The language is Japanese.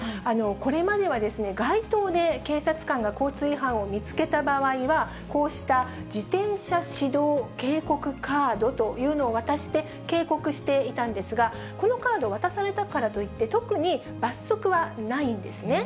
これまでは街頭で警察官が交通違反を見つけた場合は、こうした自転車指導警告カードというのを渡して警告していたんですが、このカード、渡されたからといって、特に罰則はないんですね。